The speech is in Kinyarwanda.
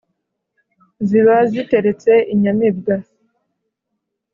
Ziba ziteretse inyamibwa